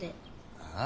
ああ？